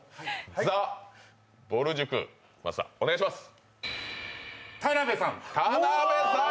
ＴＨＥぼる塾、お願いします。